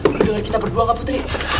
lo denger kita berdua gak putri